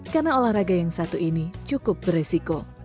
karena olahraga yang satu ini cukup beresiko